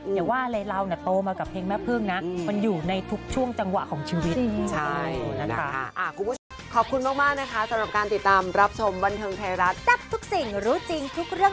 อย่าว่าเลยเราเนี่ยโตมากับแม่พึ่ง